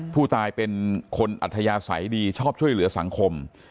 ผู้ตายเป็นคนอัธยาศัยดีชอบช่วยเหลือสังคม